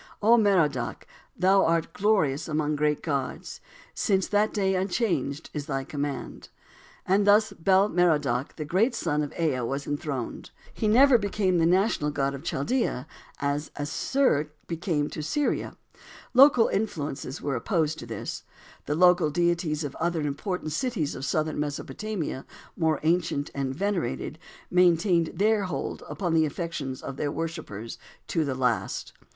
"O Merodach! thou art glorious among the great gods!" "Since that day unchanged is thy command." And thus Bel Merodach, the great son of Ea, was enthroned. He never becomes the national god of Chaldea, as Asshur became to Syria. Local influences were opposed to this. The local deities of other important cities of southern Mesopotamia, more ancient and venerated, maintained their hold upon the affections of their worshippers to the last.